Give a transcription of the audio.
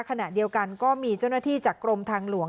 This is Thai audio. ขณะเดียวกันก็มีเจ้าหน้าที่จากกรมทางหลวง